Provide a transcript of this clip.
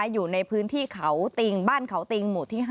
อยู่ในพื้นที่เขาติงบ้านเขาติงหมู่ที่๕